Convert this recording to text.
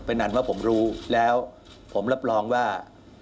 นั่นว่าผมรู้แล้วผมรับรองว่า